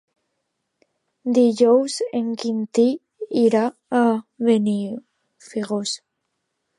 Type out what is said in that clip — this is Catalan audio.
Dijous en Quintí irà a Benafigos.